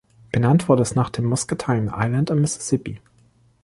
Benannt wurde es nach dem Muscatine Island im Mississippi.